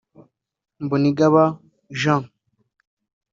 Mbonigaba Jean